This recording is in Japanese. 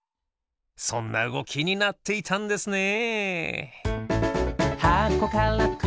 そんなうごきになっていたんですね。